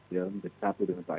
ya jadi satu dengan rakyat